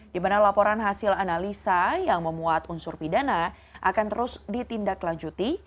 dimana laporan hasil analisa yang memuat unsur pidana akan terus ditindak lanjuti